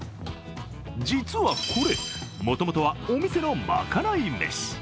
実はこれ、もともとはお店の賄い飯。